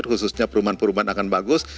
khususnya perumahan perumahan akan bagus